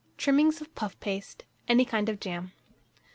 Trimmings of puff paste, any kind of jam.